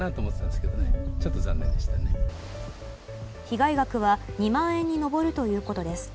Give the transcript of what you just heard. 被害額は２万円に上るということです。